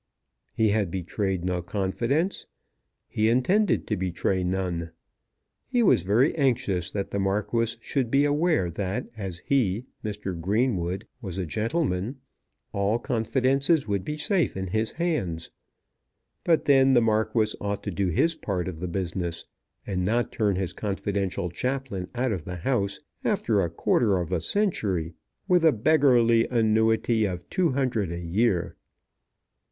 He had betrayed no confidence. He intended to betray none. He was very anxious that the Marquis should be aware, that as he, Mr. Greenwood, was a gentleman, all confidences would be safe in his hands; but then the Marquis ought to do his part of the business, and not turn his confidential Chaplain out of the house after a quarter of a century with a beggarly annuity of two hundred a year!